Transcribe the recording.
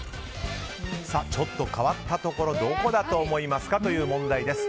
ちょっと変わったところどこだと思いますかという問題です。